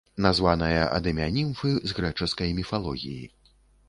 Названая ад імя німфы з грэчаскай міфалогіі.